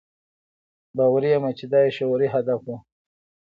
باوري یم چې دا یې شعوري هدف و.